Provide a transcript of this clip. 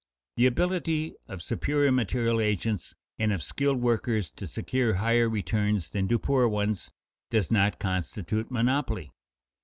_The ability of superior material agents and of skilled workers to secure higher returns than do poor ones does not constitute monopoly.